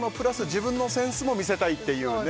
自分のセンスも見せたいっていうね